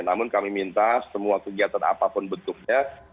namun kami minta semua kegiatan apapun bentuknya